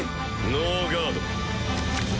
ノーガード。